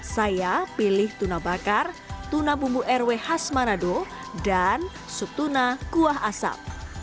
saya pilih tuna bakar tuna bumbu rw khas manado dan subtuna kuah asap